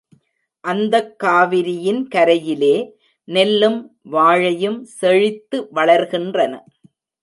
அந்தக் காவிரியின் கரையிலே நெல்லும் வாழையும் செழித்து வளர்கின்றன.